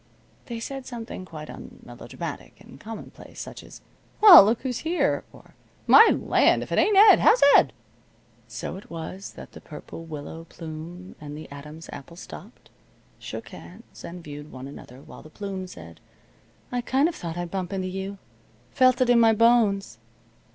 They said something quite unmelodramatic, and commonplace, such as: "Well, look who's here!" or, "My land! If it ain't Ed! How's Ed?" So it was that the Purple Willow Plume and the Adam's Apple stopped, shook hands, and viewed one another while the Plume said, "I kind of thought I'd bump into you. Felt it in my bones."